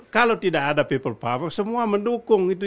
kalau tidak ada people power semua mendukung itu